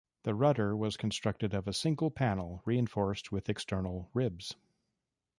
The rudder was constructed of a single panel reinforced with external ribs.